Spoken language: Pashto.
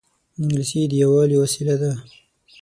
انګلیسي د یووالي وسیله ده